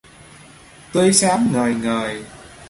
Tươi sáng ngời ngời